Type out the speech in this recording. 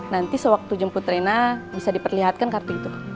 nanti sewaktu jemput rena bisa diperlihatkan kartu itu